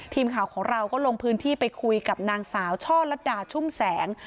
ทีมข่าวของเราก็ลงพื้นที่ไปคุยกับนางสาวช่อลัดดาชุ่มแสง